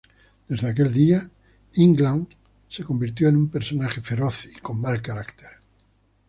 Desde aquel día, Ingjald se convirtió en un personaje feroz y con mal carácter.